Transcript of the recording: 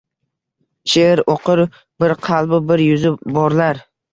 She’r o’qir bir qalbu bir yuzi borlar.